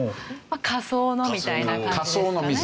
「仮想の」みたいな感じですかね。